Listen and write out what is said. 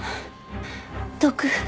毒